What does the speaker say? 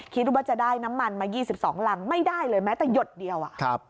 คิดว่าจะได้น้ำมันมา๒๒รังไม่ได้เลยแม้แต่หยดเดียว